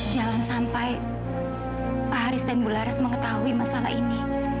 jangan sampai pak haris dan bulares mengetahui masalah ini